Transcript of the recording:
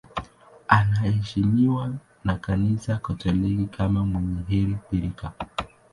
Anaheshimiwa na Kanisa Katoliki kama mwenye heri bikira.